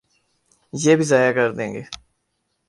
یہ بھی ضائع کر دیں گے۔